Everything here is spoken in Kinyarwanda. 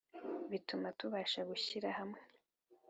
bituma tubasha gushyira hamwe,